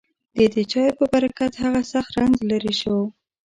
ددې چایو په برکت هغه سخت رنځ لېرې شو.